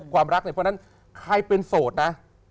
ส่วนไรใครเป็นโสดนะ